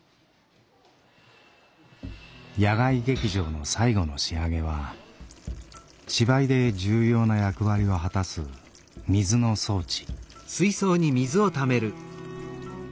野外劇場の最後の仕上げは芝居で重要な役割を果たす水の装置。